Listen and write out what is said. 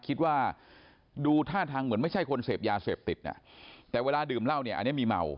คิดว่าดูท่าทางเหมือนไม่ใช่คนเสพยาเสพติดแต่เวลาดื่มเหล้าเนี่ยอันนี้มีเมา